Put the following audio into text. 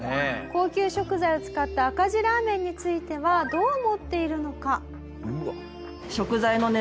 高級食材を使った赤字ラーメンについてはどう思っているのか。